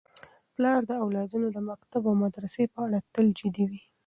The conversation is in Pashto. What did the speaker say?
پلار د اولادونو د مکتب او مدرسې په اړه تل جدي وي.